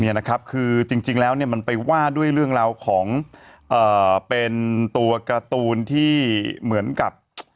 เนี่ยนะครับคือจริงแล้วเนี่ยมันไปว่าด้วยเรื่องราวของเป็นตัวการ์ตูนที่เหมือนกับ